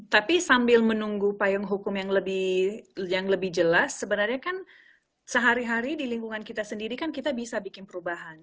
tapi sambil menunggu payung hukum yang lebih jelas sebenarnya kan sehari hari di lingkungan kita sendiri kan kita bisa bikin perubahan